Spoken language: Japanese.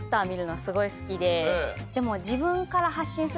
でも。